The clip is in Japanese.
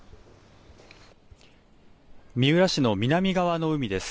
三浦市の南側の海です。